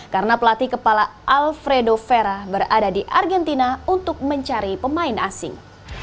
karena pelatih kepala alfredo vera berada di argentina untuk mencari pemain asing